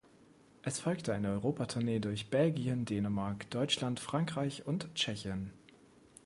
Es folgte eine Europa-Tournee durch Belgien, Dänemark, Deutschland, Frankreich und Tschechien.